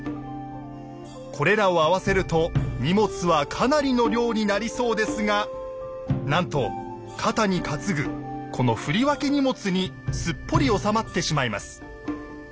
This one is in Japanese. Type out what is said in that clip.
これらを合わせると荷物はかなりの量になりそうですがなんと肩に担ぐこの「振り分け荷物」にすっぽり収まってしまいます。